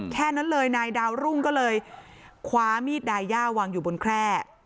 แค่นั้นเลยนายดาวรุ่งก็เลยคว้ามีดดายย่าวางอยู่บนแคร่